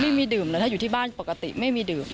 ไม่มีดื่มเลยถ้าอยู่ที่บ้านปกติไม่มีดื่ม